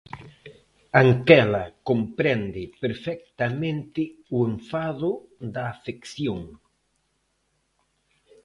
Anquela comprende perfectamente o enfado da afección.